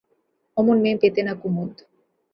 অমন মেয়ে পেতে না কুমুদ।